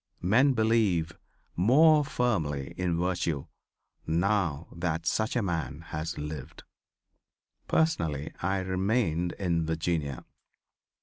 Men believe more firmly in virtue now that such a man has lived." Personally I remained in Virginia.